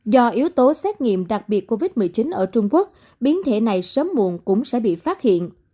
do yếu tố xét nghiệm đặc biệt covid một mươi chín ở trung quốc biến thể này sớm muộn cũng sẽ bị phát hiện